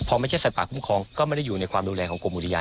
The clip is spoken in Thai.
พอไม่ใช่สัตว์คุ้มครองก็ไม่ได้อยู่ในความดูแลของกรมอุทยาน